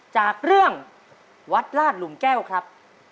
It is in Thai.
จากเรื่องวัดลาดหลุมแก้วครับ